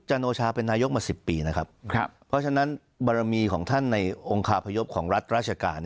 โนชาเป็นนายกมา๑๐ปีนะครับเพราะฉะนั้นบารมีของท่านในองค์คาพยพของรัฐราชการ